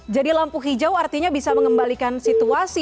jadi lampu hijau artinya bisa mengembalikan situasi